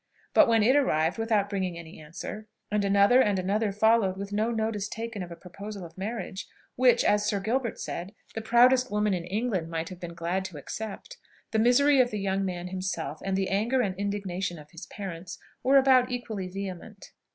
But when it arrived without bringing any answer, and another and another followed with no notice taken of a proposal of marriage, which, as Sir Gilbert said, the proudest woman in England might have been glad to accept, the misery of the young man himself, and the anger and indignation of his parents, were about equally vehement.